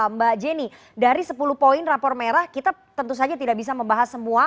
mbak jenny dari sepuluh poin rapor merah kita tentu saja tidak bisa membahas semua